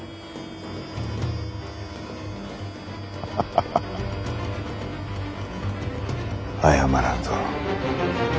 ハハハハハ！謝らんぞ。